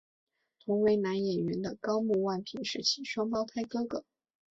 同为男演员的高木万平是其双胞胎哥哥。